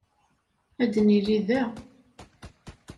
Ad nili da.